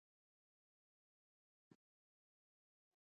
هر یو به په تفصیل سره مطالعه شي.